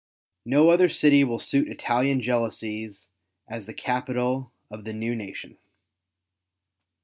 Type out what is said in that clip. No other city will suit Italian jealousies as the capital of the new nation.